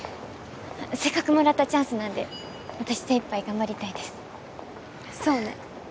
せっかくもらったチャンスなんで私精いっぱい頑張りたいですそうね